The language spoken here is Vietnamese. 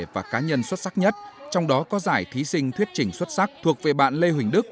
và cá nhân xuất sắc nhất trong đó có giải thí sinh thuyết trình xuất sắc thuộc về bạn lê huỳnh đức